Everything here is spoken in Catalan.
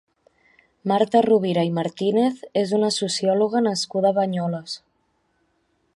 Marta Rovira i Martínez és una sociòloga nascuda a Banyoles.